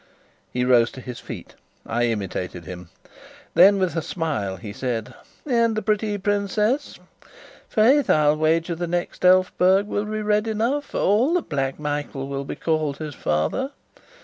He rose to his feet; I imitated him. Then, with a smile, he said: "And the pretty princess? Faith, I'll wager the next Elphberg will be red enough, for all that Black Michael will be called his father."